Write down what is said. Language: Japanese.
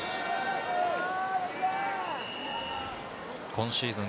今シーズン